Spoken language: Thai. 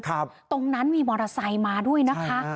ตรงนั้นมีมอเตอร์ไซค์มาด้วยนะคะ